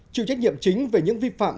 chịu trách nhiệm chính về những vi phạm